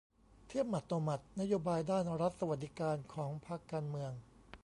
เทียบหมัดต่อหมัด นโยบายด้าน 'รัฐสวัสดิการ' ของพรรคการเมือง